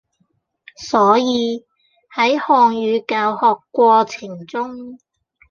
所以，喺漢語教學過程中